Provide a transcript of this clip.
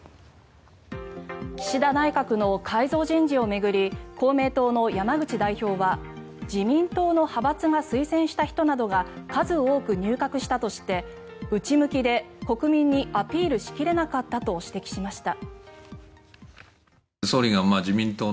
岸田内閣の改造人事を巡り公明党の山口代表は自民党の派閥が推薦した人などが数多く入閣したとして内向きで国民にアピールしきれなかったと指摘しました。